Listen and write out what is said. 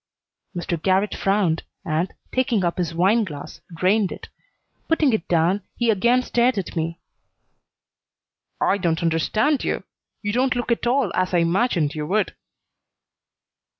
Mr. Garrott frowned, and, taking up his wine glass, drained it. Putting it down, he again stared at me. "I don't understand you. You don't look at all as I imagined you would."